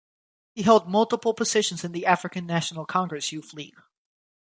He held multiple positions in the African National Congress Youth League.